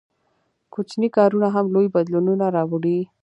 • کوچني کارونه هم لوی بدلونونه راوړي.